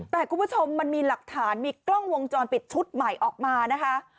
แต่คุณผู้ชมมันมีหลักฐานมีกล้องวงจรปิดชุดใหม่ออกมานะคะ